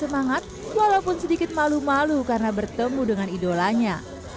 semangat walaupun sedikit malu malu karena bertemu dengan idolanya